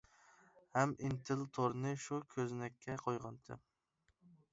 ھەم ئىنتىل تورنى شۇ كۆزنەككە قويغانتىم.